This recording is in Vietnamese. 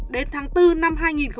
đến tháng bốn năm hai nghìn một mươi sáu